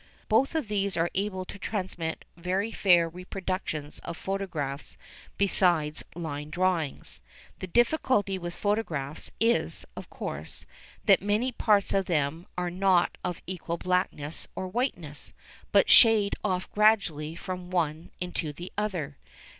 Both of these are able to transmit very fair reproductions of photographs besides line drawings. The difficulty with photographs is, of course, that many parts of them are not of equal blackness or whiteness, but shade off gradually from one into the other.